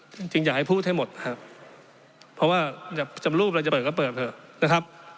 จริงจริงอยากให้พูดให้หมดครับเพราะว่าจำรูปเราจะเปิดก็เปิดเถอะนะครับ